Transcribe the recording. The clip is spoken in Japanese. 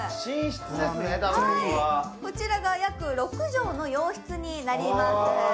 こちらが約６畳の洋室になります